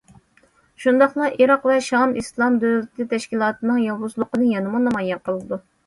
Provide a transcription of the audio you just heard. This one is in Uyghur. شۇنداقلا ئىراق ۋە شام ئىسلام دۆلىتى تەشكىلاتىنىڭ ياۋۇزلۇقىنى يەنىمۇ نامايان قىلىدۇ.